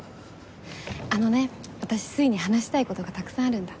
あのね私粋に話したい事がたくさんあるんだ。